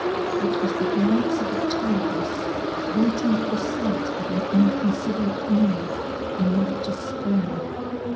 It was the glance of a tigress waiting for the sight of an inconsiderate move, in order to spring.